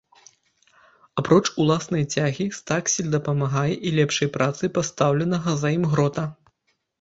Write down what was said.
Апроч уласнай цягі, стаксель дапамагае і лепшай працы пастаўленага за ім грота.